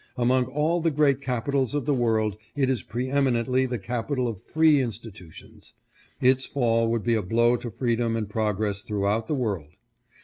Among all the great capitals of the world it is pre eminently the capi tal of free institutions. Its fall would be a blow to freedom and pro gress throughout the world.